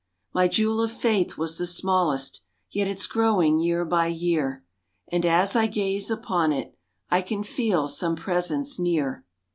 My jewel of faith was the smallest, Yet it's growing year by year, And as I gaze upon it, I can feel some presence near.